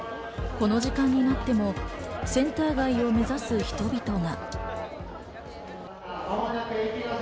この時間になっても、センター街を目指す人々が。